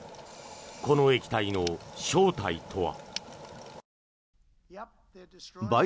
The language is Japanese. この液体の正体とは。